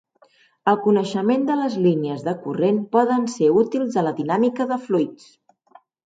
El coneixement de les línies de corrent poden ser útils a la dinàmica de fluids.